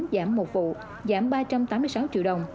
giảm một vụ giảm ba trăm tám mươi sáu triệu đồng